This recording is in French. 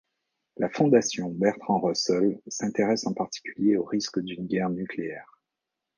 La Fondation Bertrand Russell s'intéresse en particulier aux risques d'une guerre nucléaire.